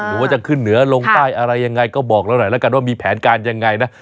หรือว่าจะขึ้นเหนือลงใต้อะไรยังไงก็บอกเราหน่อยแล้วกันว่ามีแผนการยังไงนะ